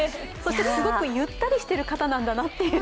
そして、すごくゆったりしている方なんだなって。